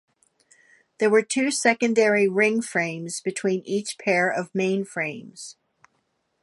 There were two secondary ring frames between each pair of mainframes.